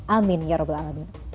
amin ya rabbal alamin